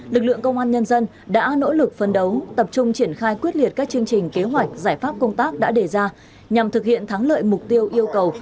lực lượng công an nhân dân đã nỗ lực phân đấu tập trung triển khai quyết liệt các chương trình kế hoạch giải pháp công tác đã đề ra nhằm thực hiện thắng lợi mục tiêu yêu cầu